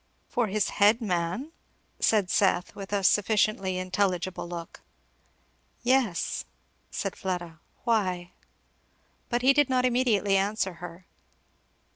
"For his head man?" said Seth, with a sufficiently intelligible look. "Yes," said Fleda. "Why?" But he did not immediately answer her.